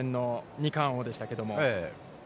二冠王でしたけれども。